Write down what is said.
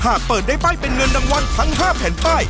หากเปิดได้ป้ายเป็นเงินรางวัลทั้ง๕แผ่นป้าย